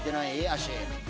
足。